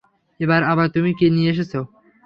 এ আবার তুমি কি নিয়ে এসেছ?